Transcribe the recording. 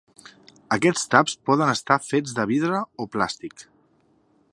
Aquests taps poden estar fets de vidre o plàstic.